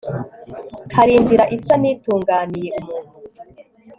hari inzira isa n'itunganiye umuntu